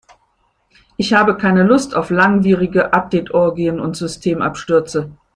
Ich habe aber keine Lust auf langwierige Update-Orgien und Systemabstürze.